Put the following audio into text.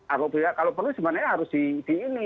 apabila kalau perlu sebenarnya harus di ini